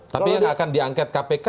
tapi yang akan diangket kpk